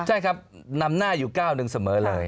ใช่ครับนำหน้าอยู่ก้าวหนึ่งเสมอเลย